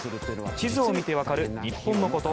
地図を見てわかる日本のこと